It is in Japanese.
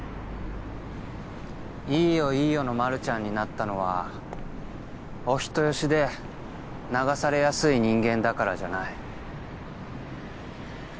「いいよいいよ」のまるちゃんになったのはお人好しで流されやすい人間だからじゃない。